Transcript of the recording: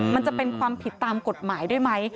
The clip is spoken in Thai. มันจะเป็นความผิดตามกฎหมายด้วยไหม